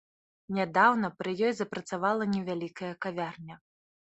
Нядаўна пры ёй запрацавала невялікая кавярня.